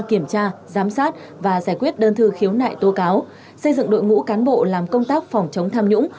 kiểm tra giám sát và giải quyết đơn thư khiếu nại tố cáo xây dựng đội ngũ cán bộ làm công tác phòng chống tham nhũng